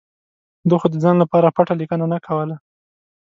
ده خو د ځان لپاره پټه لیکنه نه کوله.